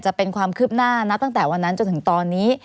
จะเป็นความคืบหน้านับตั้งแต่วันนั้นจนถึงตอนนี้